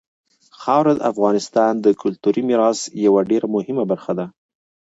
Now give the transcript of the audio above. خاوره د افغانستان د کلتوري میراث یوه ډېره مهمه برخه ده.